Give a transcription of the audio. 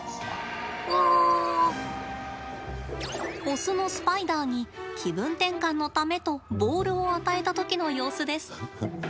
雄のスパイダーに気分転換のためとボールを与えたときの様子です。